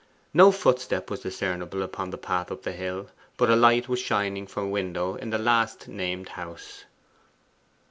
No footstep was discernible upon the path up the hill, but a light was shining from a window in the last named house.